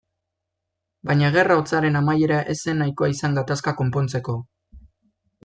Baina Gerra Hotzaren amaiera ez zen nahikoa izan gatazka konpontzeko.